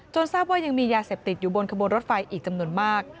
ทราบว่ายังมียาเสพติดอยู่บนขบวนรถไฟอีกจำนวนมาก